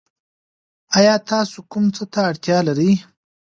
ایا تاسو کوم څه ته اړتیا لرئ؟